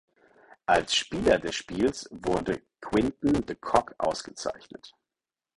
Als Spieler des Spiels wurde Quinton de Kock ausgezeichnet.